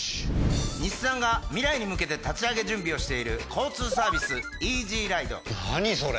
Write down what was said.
日産が未来に向けて立ち上げ準備をしている交通サービス何それ？